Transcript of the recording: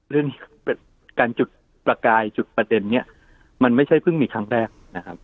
เรื่องการจุดประกายจุดประเด็นนี้มันไม่ใช่เพิ่งมีครั้งแรกนะครับ